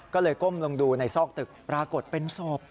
ก็เลยก้มลงดูในซอกตึกปรากฏเป็นศพ